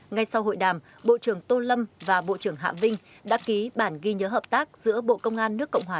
ngay sau hội đàm bộ trưởng tô lâm và bộ trưởng hạ vinh đã ký bản ghi nhớ hợp tác giữa bộ công an nước cộng hòa